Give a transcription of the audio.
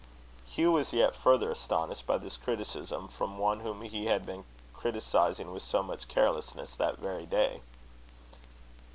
Hugh was yet further astonished by this criticism from one whom he had been criticising with so much carelessness that very day.